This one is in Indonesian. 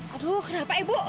aduh kenapa ibu